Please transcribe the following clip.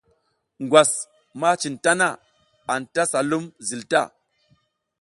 Ngwas ma cin mi tana, anta sa lum zil ta.